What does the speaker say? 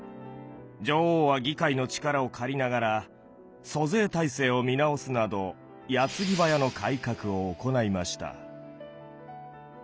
女王は議会の力を借りながら租税体制を見直すなど矢継ぎ早の改革を行いました。